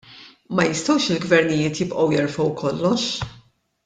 Ma jistgħux il-gvernijiet jibqgħu jerfgħu kollox!